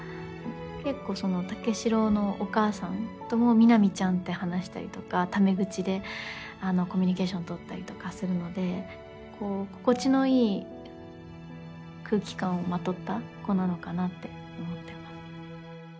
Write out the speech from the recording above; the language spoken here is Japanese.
結構武四郎のお母さんとも南ちゃんって話したりとかため口でコミュニケーション取ったりとかするので心地のいい空気感をまとった子なのかなって思ってます。